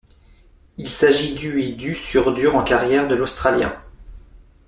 Il s'agit du et du sur dur en carrière de l'Australien.